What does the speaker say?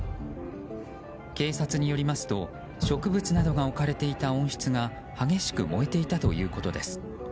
警察によりますと植物などが置かれていた温室が激しく燃えていたということです。